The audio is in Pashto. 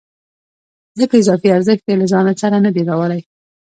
ځکه اضافي ارزښت یې له ځان سره نه دی راوړی